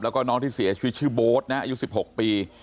แล้วก็น้องที่เสียชีวิตชื่อโบ๊ทนะอายุ๑๖ปี